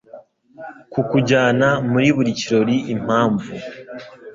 Kukujyana muri buri kirori Impamvu